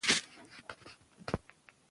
د پښتو ژبي د میراث او ژونديتوب لاره څارله